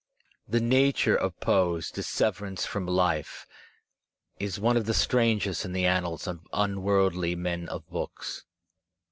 The nature of Poe's disseverance from life is one of the strangest in the annals of unworldly men of books.